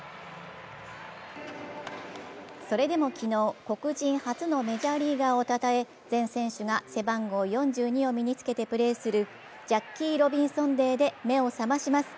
それでも昨日、黒人初のメジャーリーガーをたたえ全選手が背番号４２を身に着けてプレーするジャッキー・ロビンソン・デーで目を覚まします。